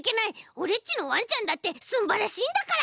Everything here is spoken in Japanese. オレっちのわんちゃんだってすんばらしいんだから！